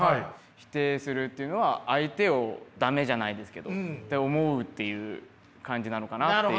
否定するっていうのは相手をダメじゃないですけどって思うっていう感じなのかなっていう。